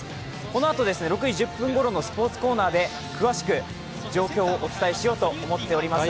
このあと、６時１０分ごろのスポーツコーナーで詳しく状況をお伝えしようと思います。